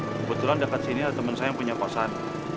kebetulan dekat sini ada temen saya yang punya posan